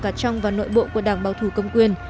cả trong và nội bộ của đảng bảo thủ công quyền